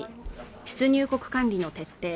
出入国管理の徹底